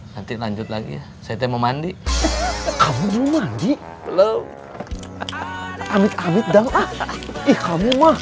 nanti lanjut lagi ya saya mau mandi kamu mandi belum amit amit dan ah ih kamu mah